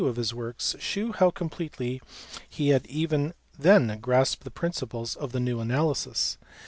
of his works, shew how completely he had even then grasped the principles of the new analysis.